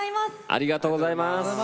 ありがとうございます。